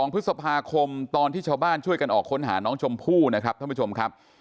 ๒พฤษภาคมตอนที่ชาวบ้านช่วยกันออกค้นหาน้องชมพู่นะครับท่านผู้ชมครับ